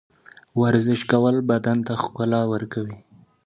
ورزش کول بدن ته ښکلا ورکوي.